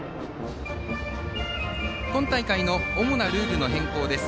今大会の主なルールの変更です。